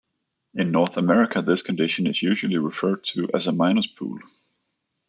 In North America, this condition is usually referred to as a minus pool.